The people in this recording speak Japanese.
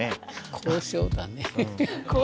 交渉だね。